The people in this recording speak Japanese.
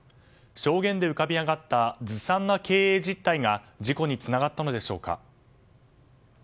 証言で浮かび上がったずさんな経営実態が事故につながったのでしょうか。